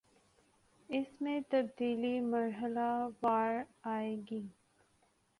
اس میں تبدیلی مرحلہ وار آئے گی